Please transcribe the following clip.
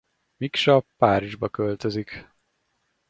Miksa Párizsba költözik.